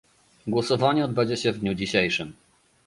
Głosowanie odbędzie się w dniu dzisiejszym